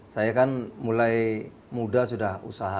saya kan mulai muda sudah usaha